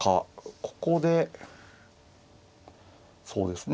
ここでそうですね